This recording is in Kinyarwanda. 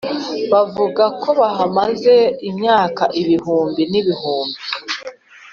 bavuga ko bahamaze imyaka ibihumbi n’ibihumbi!